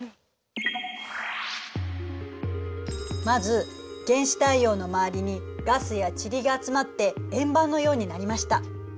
まず原始太陽の周りにガスや塵が集まって円盤のようになりました。